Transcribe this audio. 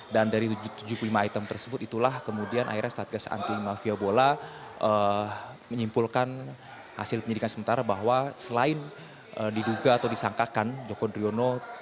dan dari tujuh puluh lima item tersebut itulah kemudian akhirnya satgas anti mafia bola menyimpulkan hasil penyidikan sementara bahwa selain diduga atau disangkakan joko driono